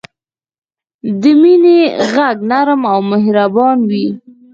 د مینې ږغ نرم او مهربان وي.